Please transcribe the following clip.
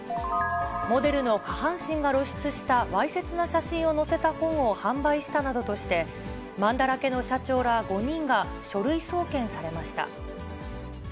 モデルの下半身が露出した、わいせつな写真を載せた本を販売したなどとして、まんだらけの社長ら５人が書類送検されました。